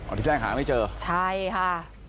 อันที่แรกหาไม่เจอใช่ค่ะ